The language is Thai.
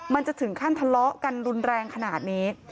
มันจะถึงขั้นทะเลาะกันรุนแรงขนาดนี้